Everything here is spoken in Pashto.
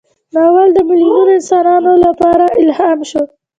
ناول د میلیونونو انسانانو لپاره الهام شو.